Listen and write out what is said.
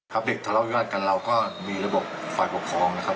ครับเด็กทะเล่ายอดกันเราก็มีระบบฝ่ายปกครองนะครับ